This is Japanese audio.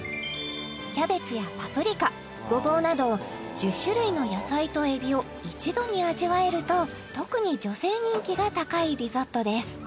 キャベツやパプリカゴボウなど１０種類の野菜とエビを一度に味わえると特に女性人気が高いリゾットです